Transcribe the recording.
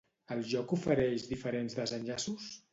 El joc ofereix diferents desenllaços?